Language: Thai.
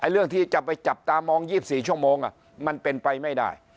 เรื่องที่จะไปจับตามอง๒๔ชั่วโมงมันเป็นไปไม่ได้